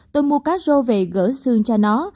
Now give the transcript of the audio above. tôi mua cá rô về gỡ xương cho nó